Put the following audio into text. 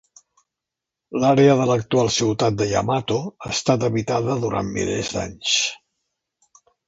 L'àrea de l'actual ciutat de Yamato ha estat habitada durant milers d'anys.